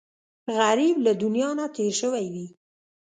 غریب له دنیا نه تېر شوی وي